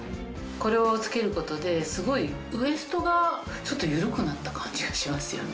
これを着けることですごいウエストがちょっと緩くなった感じがしますよね。